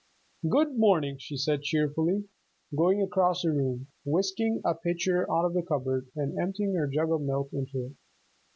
"Good morning," she said cheerfully, going across the room, whisking a pitcher out of the cupboard and emptying her jug of milk into it.